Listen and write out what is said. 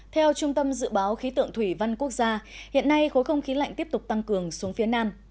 theo trung tâm dự báo khí tượng thủy văn quốc gia hiện nay khối không khí lạnh tiếp tục tăng cường xuống phía nam